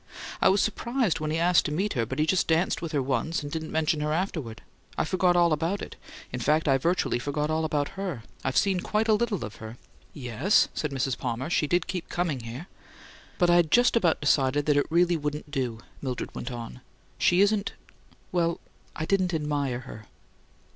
I was surprised when he asked to meet her, but he just danced with her once and didn't mention her afterward; I forgot all about it in fact, I virtually forgot all about HER. I'd seen quite a little of her " "Yes," said Mrs. Palmer. "She did keep coming here!" "But I'd just about decided that it really wouldn't do," Mildred went on. "She isn't well, I didn't admire her."